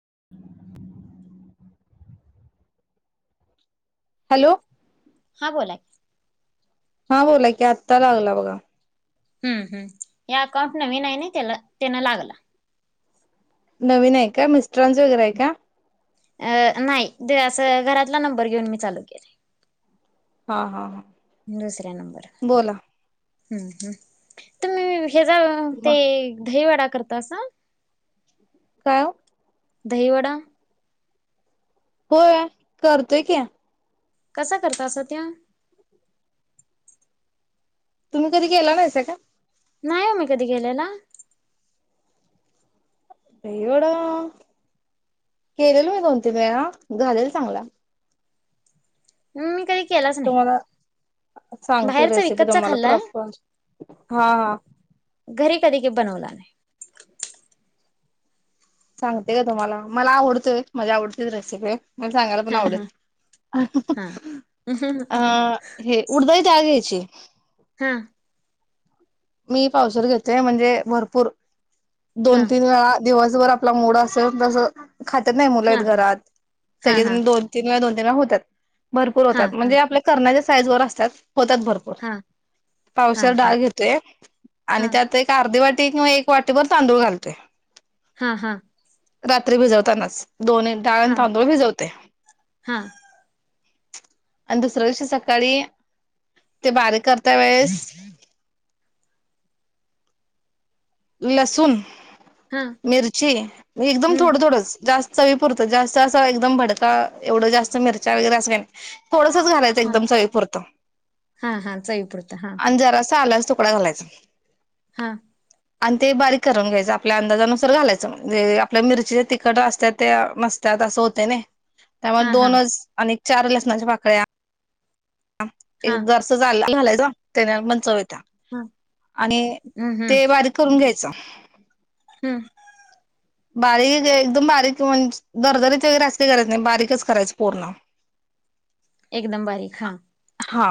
[unintelligible] Hello हा बोला की हा बोला की आत्ता लागला बघा हम्म हम्म या अकाउंट नवीन आहे ना त्याला त्यान लागला. नवीन आहे का मिस्टरांच वगैरे आहे का? अ नाही दे असं घरातला नंबर घेऊन मी चालू केलय. हा हा हा बोला हम् हम् तुम्ही ह्याचा मग ते दहीवडा करतासा काय ओ? दहीवडा होय करतोय की, कसा करतासा त्या तुम्ही कधी केला नाहीसा का? नाही हो मी कधी गेलेला एवढं केलेल मी दोनतीीन वेळा घालेल चांगला हम् मी कधी केलाच नाही तुम्हाला सांगते बाहेरचा रेसिपी विकतचा तुम्हाला खाल्लाय प्रॉपर हा हा घरी कधी बनवला नाही सांगते का तुम्हाला मला आवडतेय मझी आवडते रेसिपी मला सांगायला पण हा आवडेल हा हा अ हे उडदय त्याग्यायची हा मी पावसार घेतेय म्हणजे भरपूर हा दोन तीन वेळा दिवसभर आपला मुड असेल तसं खातात नाही मुलं आहेत हा घरात हा हा सग दोन तीन वेळा दोन त भरपूर हा होतात हा म्हणे आपल्या करण्याच्या साईज वर असतात होतात भरपूर हा हा पावसाला हा डाळ घेतोय आणि हा त्यात एक अर्धी वाट तीन किवा एक वाटीभर तांदूळ घालते हा हा रात्री भिजवतानाच दोन्ही डाळण हा तांदूळ भिजवते हा आणि दुसर्या वर्ष सकाळी ते बारीक करता वेळेस लसूण हा मिरची एकदम हम्म थोडं- थोडं जास्त चवी पुरतं जास्त असं एकदम भडका एवढं जास्त मिरच्या वगैरे असं काय नाही. थोडसच घालायचं हा एकदम चवीपुरतं हा हा चवीपुरता हा आणि जरा असं आलं - तुकडा घालायचा! हा आणि ते बारीक करून घ्यायचं आपल्या अंदाजानुसार घालायचं म्हणजे आपल्या मिरची ज्या तिखट असत त्या नसत. त्या अस होत नाही त्या मुळे हा हा दोनच आणि चार लसणाच्या पाकळ्या - ह हा एक जरास आलं मघालायचं त्याच्यानं पण चव येते. ह आणि हम्म हम्म ते बारीक करून घ्यायच! हम्म बारीक एकदम बारीक म्हणजे दरदरीचे वगैरे अस का करायच नाही बारीकच करायचं पूर्ण - [inaudible] एकदम बारीक हा - हा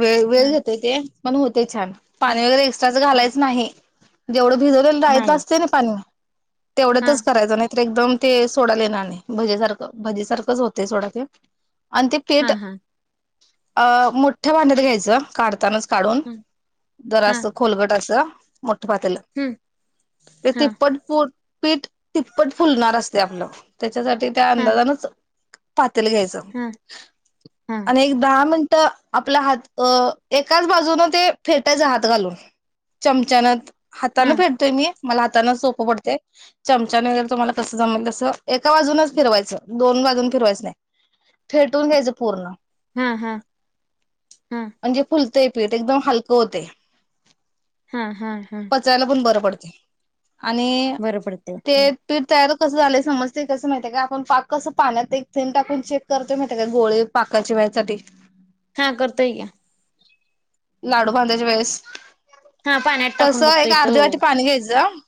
वेळ- वेळ गेतय ते पण ते होतय छान - ह पाणी वगैरे एक्स्ट्राचं घालायचं नाही जेवढं भिजवले रायलं नाही असते ना पाणी - हा तेवढंच करायचं नाही. एकदम ते सोडायला येणार नाही भजी सारखं भजी सारखंच होते सोडा ते - आणि ते पीठ हा हा अ मोठ्या भांड्यात घ्यायचं काढतानाच. काढून हम्म जर हा असं खोलगट असं - मोठ पातला हम्म ते हा तिप्पट - पीठ तिप्पट फुलणार असते आपलं त्याच्यासाठी त्या हा अंदाजानच - पातील घ्यायच हा हा हा आणि एक दहा मि - तर आपला हात एकाच बाजूनू ते फेटायचं हात घालून - चमचान हा हाताानं फेडतोय मी मला हातानं सोपं पडतय. चमच्यान वगेरे तुम्हाला कसं जमल तस एका बाजूनच फिरवायचं दोन बाजून फिरवायचं नाही. फेटून घ्यायचं पूर्ण - हम हम हम् म्हणजे फुलतंय पीठ एकदम हलकं होतंय! हा हा हा- पचायला पण बरं पडतंय आणि बरं पडते ते पीठ तयार - कस झालंय समजते कसं माहिते का आपण पाक कस पाण्यात एक थेम टाकून चेक करतो माहिय का गोळे पाकाची - त्यासाठी हा करताोय की लाडू बांधायच्या वेळेस हा पाण्यात - तस टाकून एक बघतोय तो अर्ध वाटी पाणी घ्यायचं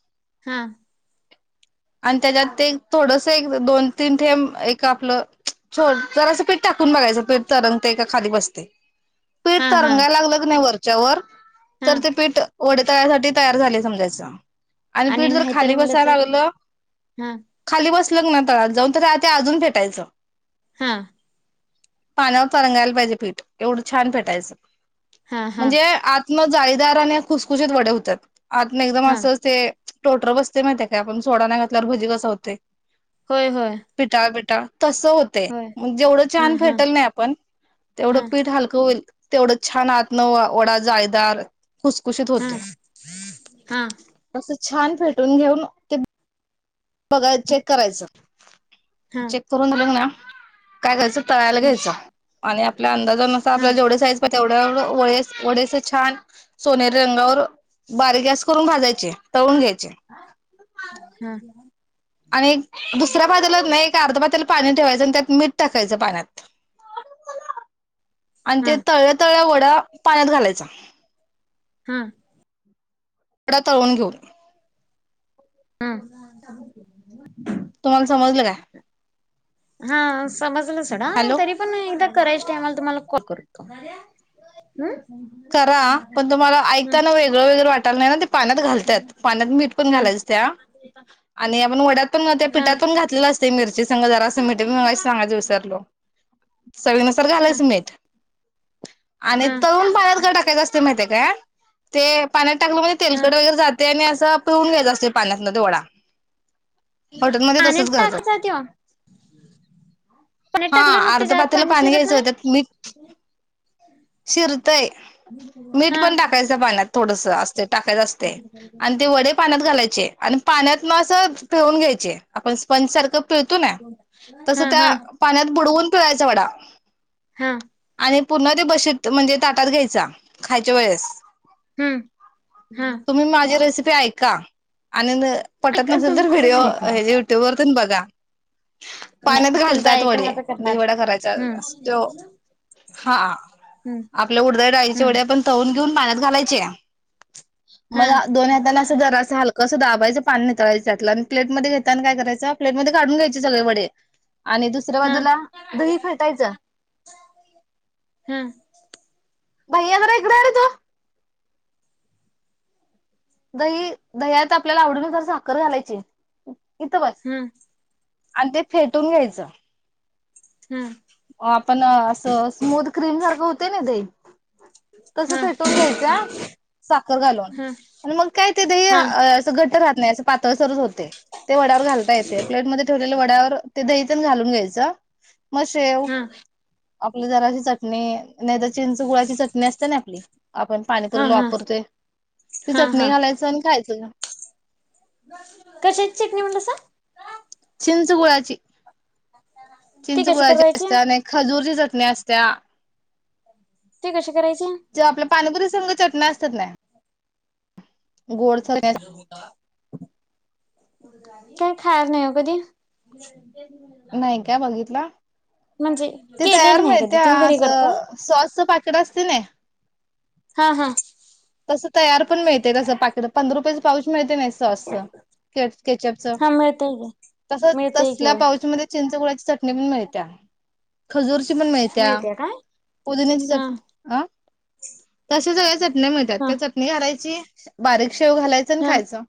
हा - आणि त्याच्यात ते थोडस एक दोन तीन ठेंब एक आपलं - थोड जरासं पीठ टाकून बघायचं पीठ तरंगतय का खाली बसते. पीठ हा हा तरंगायला लागलं की नाही वरच्यावर हा तर ते पीठ- वड तळ्यासाठी तयार झाले समजायच आणि पीठ जर - नाहीत खाली रंगलं तर बसायला लागलं हा खाली बसल ना की तळाला जाऊन त ते अजून फेटायचं. हा पानावर परंगायला पाहिजे पीठ एवढं छान पेटायचं हा हा म्हणजे आतन - जाळीदार आणि खुसखुशीत वडे होतात आ एकदम हा असं ते - टोटर बसते माहितीे काय आपण सोडा नाही घातल्यावर भजी कस होतय. होय -होय तसं होते होय जेवढं हा छान हा फेटल नाही आपण तेवढं हा पीठ हलकं होईल. तेवढं छान आतन वडा जाळीदार - खूसखुशीत हा होते हा असं छान फेटून घेऊन ते- बघा चेक करायचं. हा चेक करून दिलंग ना काय करायचं - तळायला हा घ्यायचं आणि आपल्या अंदाजानुसार हा आपल्याला जेवढे साईज पाहि तेवढं वळेस वडे असं छान सोनेरी रंगावर बारीक गॅस करून भाजायचे तळून घ्यायचे हा आणि एक दुसऱ्या बाजूला ना एक अर्ध पातेलं पाणी ठेवायचं आणि त्यात मीठ टाकायचं पाण्यात आणि ते तळ्या तळ्या वडं पाण्यात घालायचं हम वडा तळून घेऊन हम् तुम्हाला समजलं काय हा समजलं सोडा हॅलो तरी पण एकदा करायच्या टाइमला तुम्हाला कॉल करू हम् करा पण तुम्हाला ऐकताना वेगळं वगैरे वाटालं नाही ना ते पाण्यात घालत्यात पाण्यात मीठ पण हा घालायचं त्या आणि पण वड्यात पण मग त्या हा पीठात पण घातलेलं असतंय मिरची संग जरासं मिठ मगाशी सांगायचं विसरलो चवीनुसार घालायचं मीठ आणि हा तळूण पाण्यात का टाकायचं असतंय माहिती आहे काय ते पाण्यात टाकलं कनी हा तेलकट वगैरे जातंय आणि असं पिळून घ्यायचं असतंय पाण्यातनं तो वडा हॉटेलमध्ये तसंच पाण्यात करतात टाकायचा त्यो पाण्यात हा टाकल्यावर मग आर्ध त्याच्या आत पातेलं पाणी शिरत घ्यायचं नाही त्यात मीठ शिरतय मीठ हा पण टाकायचं त्या पाण्यात थोडंसं असतंय टाकायचं असतंय आणि ते वडे पाण्यात घालायचे आणि पाण्यात मग अस पिळून घ्यायचे आपण स्पंजसारखं पिळतो ना तस हा हा त्या पाण्यात बुडवून पिळायचा वडा हा आणि पूर्ण ते बशीत म्हणजे ताटात घ्यायचा खायच्या वेळेस हम्म हा तुम्ही माझी रेसिपी ऐका आणि पटत ऐका नसेल तर तुमचंच व्हिडिओ ऐकून हे युट्यूबवर तेन बघा नाही पाण्यात तुमचं घालतात ऐकून वडे आता करणार दहीवडा करायचा हम्म असं तो हा हम्म आपल्या उडदा डाळीचे वडे हम्म आपण तळून घेऊन पाण्यात घालायचे हा मग दोन्ही हातानी अस जरासं हलकं सं दाबायचं पाणी नितळायं त्यातलं आणि प्लेट मध्ये घेताना काय करायचं प्लेट मध्ये काढून घ्यायचे सगळे वडे आणि दुसऱ्या हा बाजूला दही फेटायचं हम भैया जरा इकडे ये रे तू दही दह्यात आपल्याला आवडीनुसार साखर घालायची इथं बस हा आणि ते फेटून घ्यायचं हा आपण असं स्मूथ क्रीम सारखं होते ना दही तसं हा फेटून घ्यायचं साखर घालून हा आणि मग काय ते दही हा असं घट्ट राहत नाही पातळसरच होतंय ते वड्यावर घालता येतंय प्लेटमध्ये ठेव वड्यावर ते दही तेन घालून घ्यायचं हा आपलं जराशी चटणी नाही तर चिंच गुळाची चटणी असते ना आपली आपण पाणीपुरीला हा वापरतोय ती हा हा चटणी हा घालायचं आणि खायचं कशाची चटणी म्हटलासा चिंच गुळाची ती चिंच कशी गुळाची करायची असत्या नाही खजूरची चट णी असत्या ती कशी करायची जी आपल्या पानीपुरीसंग चटणी असत्या की नाही नि होता काय खायल नाही हो कधी नाहीका बघितला म्हणजे ते तयार केलेली मा नाही कधी त्या तुम्ही घरी करताय असं सॉस च पाकिट असते ना हा हा तसं तयार पण मिळतेय तसं पाकिट पंधरा रुपयाच पाऊच मिळते नाही सॉस स केच पस हा मिळतय की तस मिळतय की तसल्या होय पावचमध्ये चिंच गुळाची चटणी पण मिळतया खजूरची पण माळती्या मिळते काय पुदीण्याची हा चटणी अ तसं सगल चटण्यामध्ये हा चटणी घालायची बारीक शेव घालायचं खायचं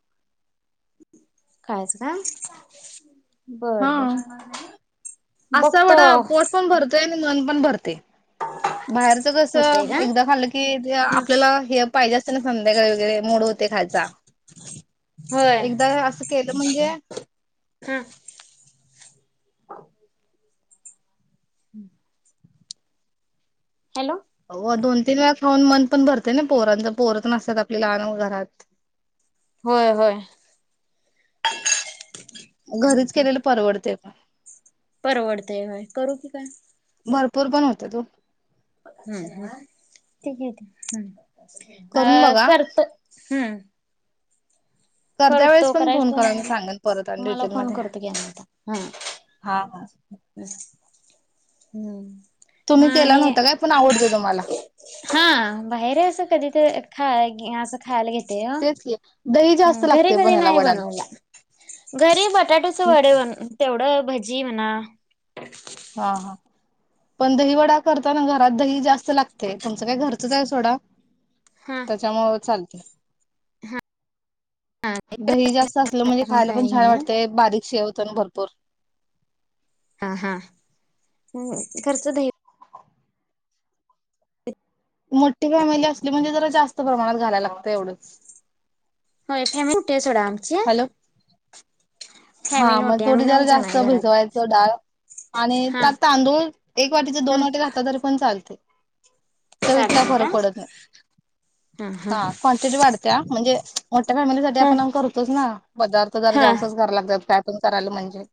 खा यचं ना बर हा बर असा बघतो वडा द द बाहेरच कस होतय का एकदा खाल्लं की जे ह आपल्याला हे पाहिजे असते ना संध्याकाळी वगैरे मोड होते का जा होय एकदा अस केलं म्हणजे प हम्म हो अंकुल तीन वेळा खाऊन मन पण भरते ना पोरांचा पोहर पण असतात आपली लदान घरात होय होय घरीच केलेले परवडते परवडतेय हो करू की काय भरपूर पण होता तो हम् ह तेे हम् अ करून बघा करतो हु करत्या वेळेस करतो पण करा फोन मी सांगेन परत आणि मला फोन डिटेलमध्ये करतो आत हा हा हा अच् हम्म तुम्ही केला मानी नव्हता काय पण आवडते तुम्हाला हा बाहेर असं कधी तर खाय ही असं खायगे तेच की दही जास्त घरी लागते पण कदी ह्याला नाही वड्याला बनवला घरी बटाट्याचे वडे बनवले तेवढ भज जीवना [unintelligible] आ ह पण दही वडा करताना घरात दही जास्त लागते तुमचं काय घरच आहे सोडा हा त्याच्या मुंल चालते दही जास्त असलं म्हणजे हा खायला काय पण हे छान नाही वाटते बारीक शेव तंभर बर हा हा [unintelligible] हम् खर्च दे मोठी फॅमिली असली म्हणजे जरा जास्त प्रमाणात घालायला लागत एवढंच हो फॅमट सोडा आमच हॅलो हा मग थोडी जरा नऊ जण जास्त आहे घरात भिजवायचं डाळ आणि हा त्यात तांदूळ एक वाटीचे दोन वाटी घातल तरी पण चालते चवीत काय फरक सदी पडत नाही हम हा क्वांटिटी वाढते म्हणजे मोठ्या फॅमिलीसाठी ह आपण करतोच ना पदार्थ जरा हा जास्तच करा लागतो पन पॅटर्न कराया म्हनजे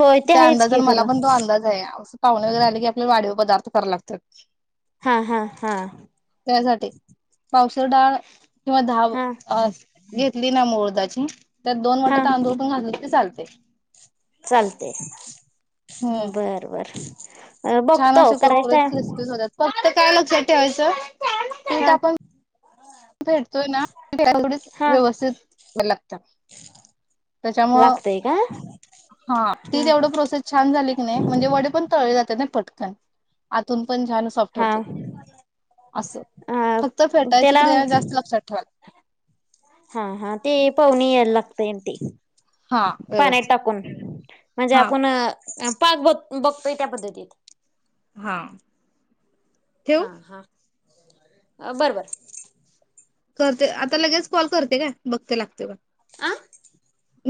होय ते त्या आहेच अंदाज की मला खरं पण तो अंदाज आहे पाहुणे वगैरे आले की आपले वाढव पदार्थ करा लागत हा हा हा [inaudible] पावशेर डाळ किंवा हा धाव-घेतली ना मुळदाची त्यात दोन वाट्या तांदूळ पण घातले तर चालते चालतय हम्म बर -बर छान बघतो असे कुरकुरीत करायचंय क्रिस्पी होतात [inaudible] फक्त काय लक्षात ठेवायचं पण हा आपण भेटतोय ना तेवढी हा -व्यवस्थित लागत लागतय का? हा ती जेवढी प्रोसेस छान झाली की नाही म्हणजे वडे पण तळले जातात नाही ना आतून पण छान सॉफ्ट हा होतात असं अ -फक्त फेटायच त्याला क्रिया जास्त लक्षात ठेवाल हा -हा- ते पाहणी यायला लागतय ते हा पाण्यात व्यवस्थित टाकून म्हणजे हा -आपण पाग ब -बघतोय त्या पद्धतीत हा- ठेवू अ बरं-बर करते -आता लगेच कॉल करते काय बघते लागते काय आं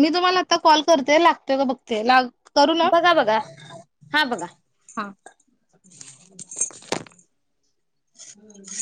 मी तुम्हाला आता कॉल करते लागतोय का बघते ला बघा -बघा हा बघा हा हम् [inaudible]